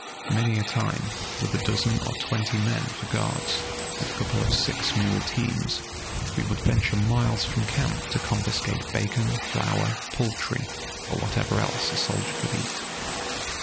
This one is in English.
Many a time, with a dozen or twenty men for guards, and a couple of six mule teams, we would venture miles from camp to confiscate bacon, flour, poultry, or whatever else a soldier could eat.